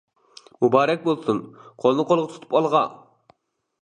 مۇبارەك بولسۇن، قولنى قولغا تۇتۇپ ئالغا!